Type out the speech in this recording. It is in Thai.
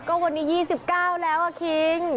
ก็วันนี้๒๙แล้วอะคิง